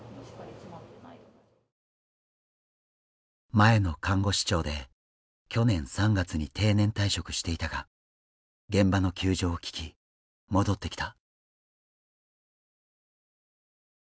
前の看護師長で去年３月に定年退職していたが現場の窮状を聞き戻ってきた。